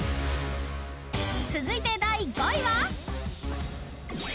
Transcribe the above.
［続いて第５位は］